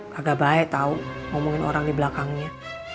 kagak baik tahu ngomongin orang di belakangnya